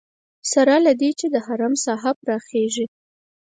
سره له دې چې د حرم ساحه پراخېږي.